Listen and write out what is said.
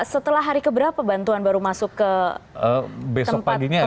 setelah hari keberapa bantuan baru masuk ke tempat pengusian